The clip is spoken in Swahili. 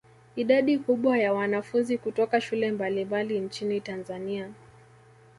Idadi kubwa ya wanafunzi kutoka shule mbalimbali nchini Tanzania